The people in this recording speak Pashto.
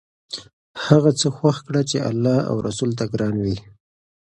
هغه څه خوښ کړه چې الله او رسول ته ګران وي.